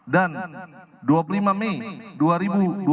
dan dua puluh lima mei dua ribu dua puluh empat